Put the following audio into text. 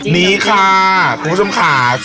ที่โคมมันก็ต้องใช้มือบ้างเหรอ